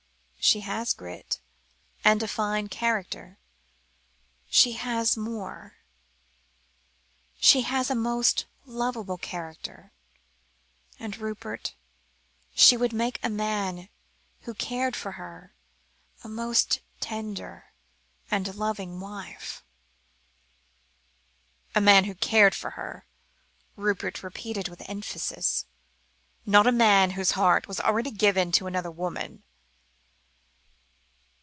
"She has grit, and a fine character. She has more; she has a most lovable character; and, Rupert, she would make a man who cared for her, a most tender and loving wife." "A man who cared for her," Rupert repeated with emphasis; "not a man whose whole heart was given to another woman."